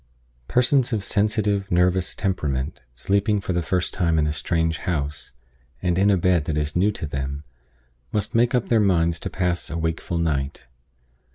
PERSONS of sensitive, nervous temperament, sleeping for the first time in a strange house, and in a bed that is new to them, must make up their minds to pass a wakeful night.